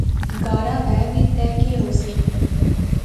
گارا وہے وی تے کہہ ہوسی